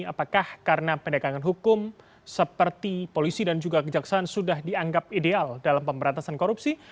apakah karena pendekangan hukum seperti polisi dan juga kejaksaan sudah dianggap ideal dalam pemberantasan korupsi